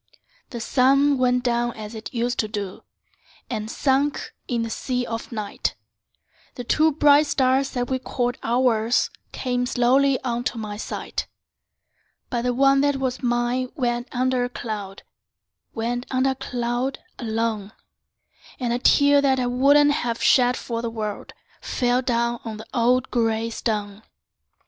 The sun went down as it used to do, And sunk in the sea of night; The two bright stars that we called ours Came slowly unto my sight; But the one that was mine went under a cloud— Went under a cloud, alone; And a tear that I wouldn't have shed for the world, Fell down on the old gray stone.